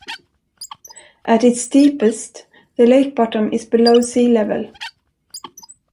At its deepest, the lake bottom is below sea level.